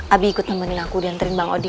abi ikut temenin aku diantarin bang odin